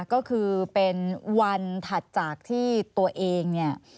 ก็คือเป็นวันถัดจากที่ตัวเองเนี่ย